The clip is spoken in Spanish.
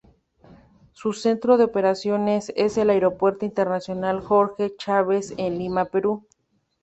Su centro de operaciones es el Aeropuerto Internacional Jorge Chávez en Lima, Perú.